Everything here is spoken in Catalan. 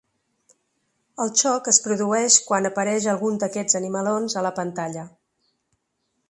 El xoc es produeix quan apareix algun d’aquests animalons a la pantalla.